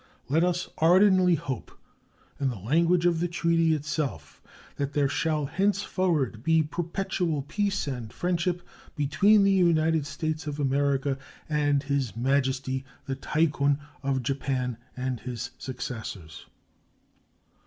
Let us ardently hope, in the language of the treaty itself, that "there shall henceforward be perpetual peace and friendship between the United States of America and His Majesty the Tycoon of Japan and his successors."